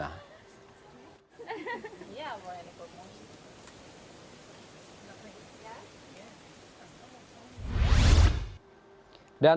dan untuk mengisi kegiatan wisatawan asing